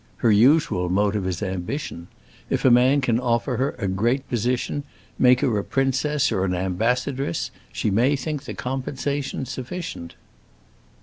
Her usual motive is ambition: if a man can offer her a great position, make her a princess or an ambassadress she may think the compensation sufficient."